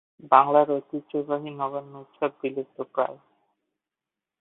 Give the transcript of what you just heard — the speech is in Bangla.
বাংলার ঐতিহ্যবাহী এই নবান্ন উৎসব বিলুপ্তপ্রায়।